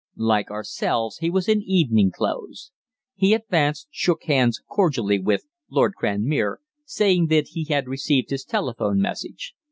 Like ourselves, he was in evening clothes. He advanced, shook hands cordially with "Lord Cranmere," saying that he had received his telephone message.